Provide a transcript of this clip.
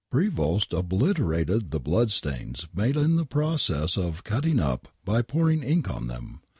Prevost obliterated the blood stains made in the process of cutting up by pouring ink on them.